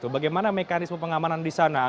bagaimana mekanisme pengamanan di sana